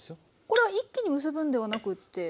これは一気に結ぶんではなくて。